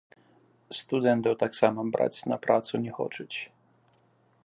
Студэнтаў таксама браць на працу не хочуць.